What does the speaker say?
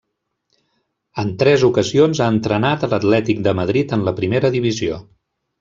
En tres ocasions ha entrenat a l'Atlètic de Madrid en la primera divisió.